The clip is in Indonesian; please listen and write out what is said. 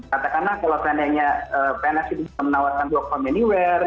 katakanlah kalau pns itu menawarkan doa kominiware